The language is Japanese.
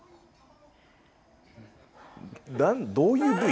どういうＶ？